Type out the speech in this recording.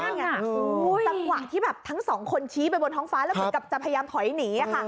ตั้งกว่าที่แบบทั้งสองคนชี้ไปบนห้องฟ้าแล้วคุณกลับจะพยายามถอยหนีค่ะ